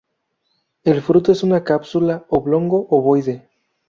El fruto es una cápsula oblongo-ovoide.